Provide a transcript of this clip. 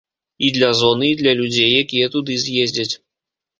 І для зоны, і для людзей, якія туды з'ездзяць.